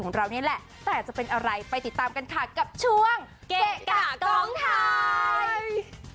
เรานี่แหละแต่จะเป็นอะไรไปติดตามกันค่ะกับช่วงเกะกะกองไทย